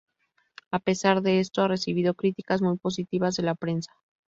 A pesar de esto ha recibido críticas muy positivas de la prensa.